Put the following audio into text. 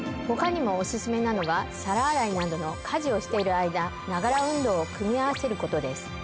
他にもお薦めなのは皿洗いなどの家事をしている間ながら運動を組み合わせることです。